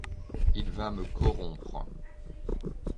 Il va me corrompre !